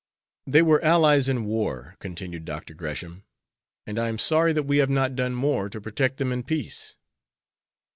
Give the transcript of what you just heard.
"They were allies in war," continued Dr. Gresham, "and I am sorry that we have not done more to protect them in peace."